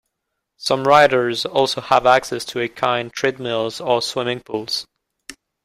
Some riders also have access to equine treadmills or swimming pools.